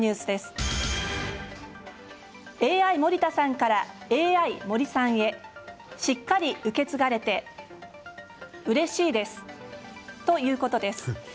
ＡＩ森田さんからＡＩ森さんへしっかり受け継がれてうれしいですということです。